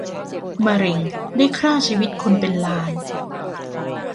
มะเร็งได้คร่าชีวิตคนเป็นล้าน